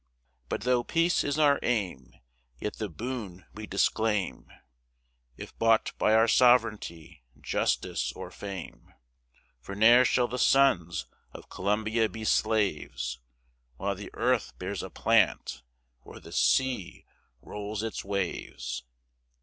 But, though peace is our aim, Yet the boon we disclaim, If bought by our sovereignty, justice, or fame; For ne'er shall the sons of Columbia be slaves, While the earth bears a plant, or the sea rolls its waves.